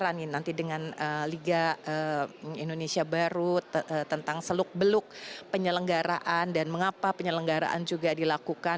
bagaimana nanti dengan liga indonesia baru tentang seluk beluk penyelenggaraan dan mengapa penyelenggaraan juga dilakukan